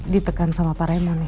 ditekan sama pak raymond ya